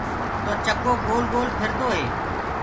تو چڪو گول گول ڦِردو هي۔